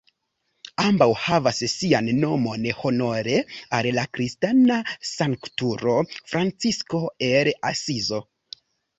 Ambaŭ havas sian nomon honore al la kristana sanktulo Francisko el Asizo.